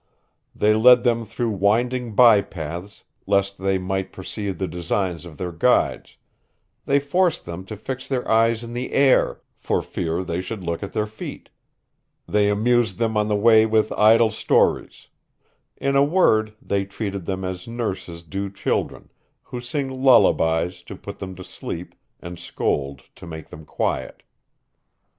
They led them through winding bye paths, lest they might perceive the designs of their guides; they forced them to fix their eyes in the air, for fear they should look at their feet; they amused them on the way with idle stories; in a word, they treated them as nurses do children, who sing lullabies, to put them to sleep, and scold, to make them quiet.